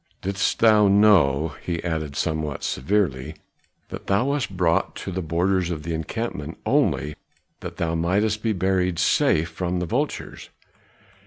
Didst thou know," he added somewhat severely, "that thou wast brought to the borders of the encampment only that thou mightest be buried safe from the vultures?